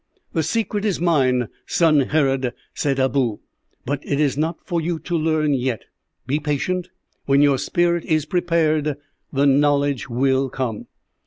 "'The secret is mine, son Herod,' said Abou, 'but it is not for you to learn yet. Be patient; when your spirit is prepared, the knowledge will come.'"